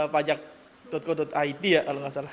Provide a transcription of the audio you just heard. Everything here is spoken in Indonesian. pajak co id ya kalau nggak salah